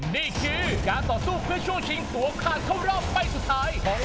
นี่คือการต่อสู้เพื่อช่วงชิงตัวขาดเข้ารอบไปสุดท้าย